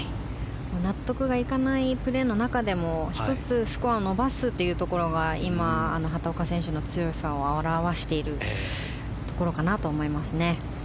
納得がいかないプレーの中でも１つ、スコアを伸ばすというところが今、畑岡選手の強さを表しているところかなと思います。